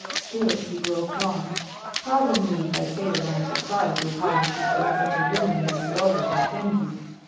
Still he groped on. "Pardon me if I say that I am surprised your parents should permit such a woman as this Rosa to attend you.